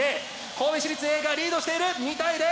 神戸市立Ａがリードしている２対０！